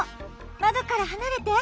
まどからはなれて。